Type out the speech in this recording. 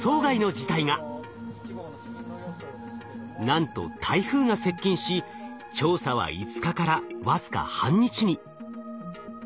なんと台風が接近し調査は５日から僅か半日に。